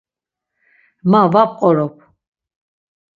Ma va p̌qorop.